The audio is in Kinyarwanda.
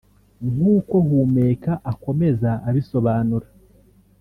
nk’uko Humeka akomeza abisobanura